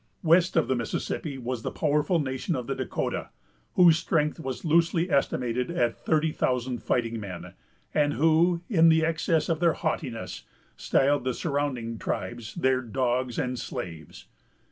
West of the Mississippi was the powerful nation of the Dahcotah, whose strength was loosely estimated at thirty thousand fighting men, and who, in the excess of their haughtiness, styled the surrounding tribes their dogs and slaves.